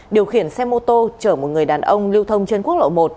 điều khiển xe mô tô chở một người đàn ông lưu thông trên quốc lộ một